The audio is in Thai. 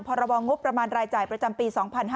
พรบงบประมาณรายจ่ายประจำปี๒๕๕๙